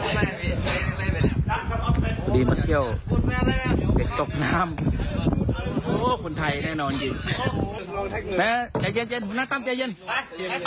แดงดีมาเที่ยวดิดกลกน้ำโหคุณไทยแน่นอนจริงงะ